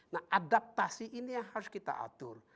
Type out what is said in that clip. nah adaptasi ini yang harus kita atur